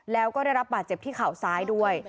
แล้วก็ได้รับบาดเจ็บที่เข่าซ้ายด้วย